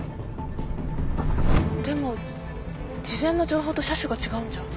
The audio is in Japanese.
でも事前の情報と車種が違うんじゃ？